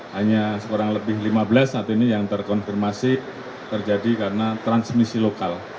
hanya sekurang lebih lima belas saat ini yang terkonfirmasi terjadi karena transmisi lokal